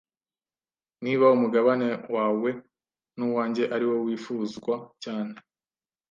niba umugabane wawe nuwanjye ariwo wifuzwa cyane